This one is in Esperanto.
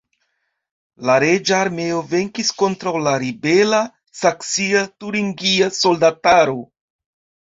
La reĝa armeo venkis kontraŭ la ribela saksia-turingia soldataro.